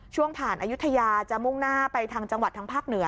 ช่วงผ่านอายุทยาจะมุ่งหน้าไปทางจังหวัดทางภาคเหนือ